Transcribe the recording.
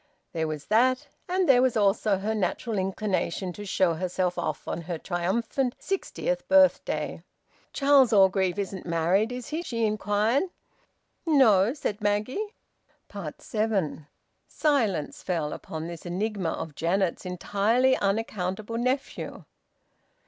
There was that, and there was also her natural inclination to show herself off on her triumphant sixtieth birthday. "Charles Orgreave isn't married, is he?" she inquired. "No," said Maggie. SEVEN. Silence fell upon this enigma of Janet's entirely unaccountable nephew.